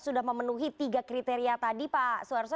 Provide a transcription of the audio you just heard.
sudah memenuhi tiga kriteria tadi pak suarso